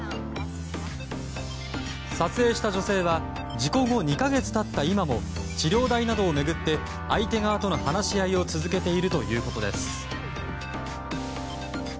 撮影した女性は事故後２か月経った今も治療代などを巡って相手側との話し合いを続けているということです。